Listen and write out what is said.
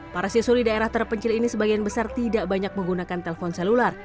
para siswa di daerah terpencil ini sebagian besar tidak banyak menggunakan telpon selular